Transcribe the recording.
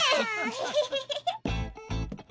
ヘヘヘヘヘ！